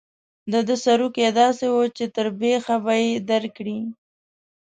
د ده سروکي داسې وو چې تر بېخه به یې درکړي.